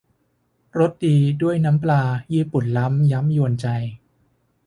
รสดีด้วยน้ำปลา ญี่ปุ่นล้ำย้ำยวนใจ